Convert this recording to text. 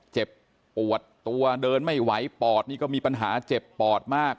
เจ็บปวดตัวเดินไม่ไหวปอดนี่ก็มีปัญหาเจ็บปอดมาก